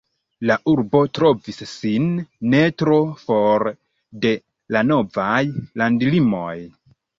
La urbo trovis sin ne tro for de la novaj landlimoj.